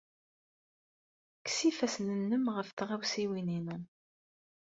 Kkes ifassen-nnem ɣef tɣawsiwin-inu!